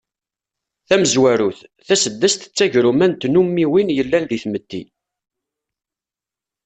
Tamezwarut, taseddast d tagruma n tnummiwin yellan deg tmetti.